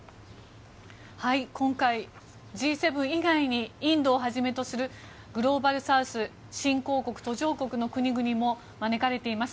今回、Ｇ７以外にインドをはじめとするグローバルサウス新興国・途上国の国々も招かれています。